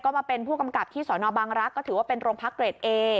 มาเป็นผู้กำกับที่สนบังรักษ์ก็ถือว่าเป็นโรงพักเกรดเอ